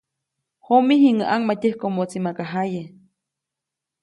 Jomi, jiŋäʼ ʼaŋmatyäjkomoʼtsi maka jaye.